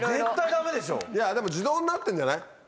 でも自動になってんじゃない？